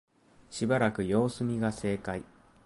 しばらく様子見が正解